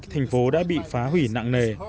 thành phố đã bị phá hủy nặng nề